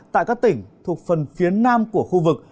tại các tỉnh thuộc phần phía nam của khu vực